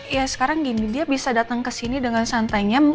ya sekarang gini dia bisa datang ke sini dengan santainya